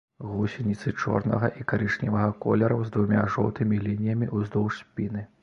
Гусеніцы чорнага і карычневага колераў з двума жоўтымі лініямі ўздоўж спіны.